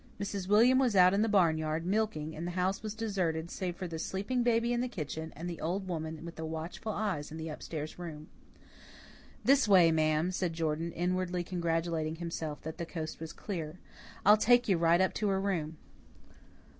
Mrs. William was out in the barn yard, milking, and the house was deserted, save for the sleeping baby in the kitchen and the little old woman with the watchful eyes in the up stairs room. "This way, ma'am," said Jordan, inwardly congratulating himself that the coast was clear. "I'll take you right up to her room."